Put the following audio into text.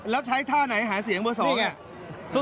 แล้วใช้ท่าไหนหาเสียงเบอร์๒เนี่ย